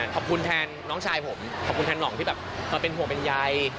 ขอบคุณแทนน้องชายผมขอบคุณแทนห่องที่แบบมาเป็นห่วงเป็นใย